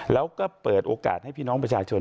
แล้วก็เปิดโอกาสให้พี่น้องประชาชน